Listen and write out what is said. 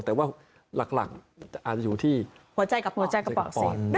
แต่ว่าหลักอาจจะอยู่ที่หัวใจกับปอด